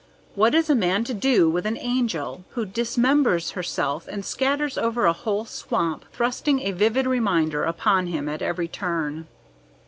What is a man to do with an Angel who dismembers herself and scatters over a whole swamp, thrusting a vivid reminder upon him at every turn?